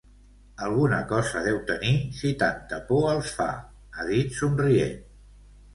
Alguna cosa deu tenir si tanta por els fa, ha dit somrient.